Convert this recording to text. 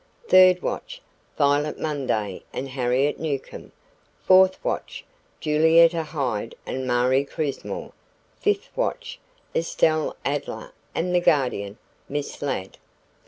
Third watch: Violet Munday and Harriet Newcomb. Fourth watch: Julietta Hyde and Marie Crismore. Fifth watch: Estelle Adler and the Guardian, Miss Ladd.